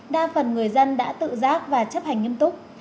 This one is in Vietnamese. đa phần người dân đã tự giác và chấp hành nghiêm túc